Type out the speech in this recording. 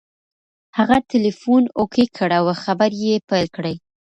هغه ټلیفون اوکې کړ او خبرې یې پیل کړې.